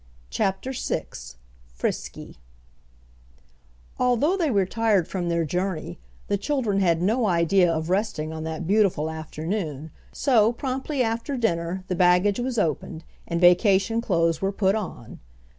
CHAPTER VI FRISKY Although they were tired from their journey, the children had no idea of resting on that beautiful afternoon, so promptly after dinner the baggage was opened, and vacation clothes were put on.